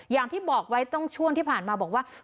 อย่างที่บอกไว้ต้องช่วงที่ผ่านมาบอกว่า